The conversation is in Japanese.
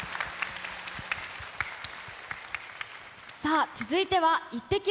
さあ、続いては、イッテＱ！